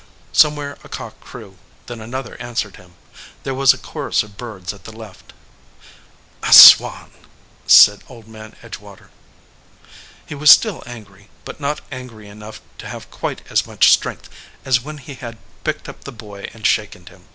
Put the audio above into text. Somewhere a cock crew, then an other answered him. There was a chorus of birds at the left. 109 EDGEWATER PEOPLE "I swan !" said Old Man Edgewater. He was still angry, but not angry enough to have quite as much strength as when he had picked up the boy and shaken him.